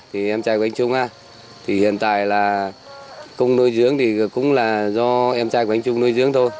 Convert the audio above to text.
thì em trai của anh trung á thì hiện tại là công nuôi dưỡng thì cũng là do em trai của anh trung nuôi dưỡng thôi